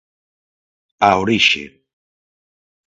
Á orixe.